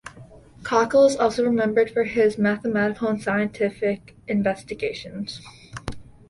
Cockle is also remembered for his mathematical and scientific investigations.